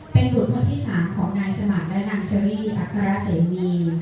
เป็นบุตรพิสารของนายสมัครและนางชะรีอัคราเสมี